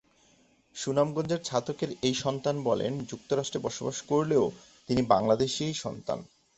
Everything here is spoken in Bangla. সুনামগঞ্জের ছাতকের এই সন্তান বলেন, যুক্তরাজ্যে বসবাস করলেও তিনি বাংলাদেশরই সন্তান।